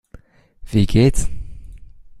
Wie geht's?